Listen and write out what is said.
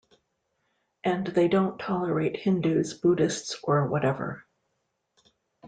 And they don't tolerate Hindus, Buddhists or whatever.